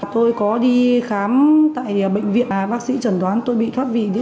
tôi có đi khám tại bệnh viện bác sĩ trần đoán tôi bị thoát vị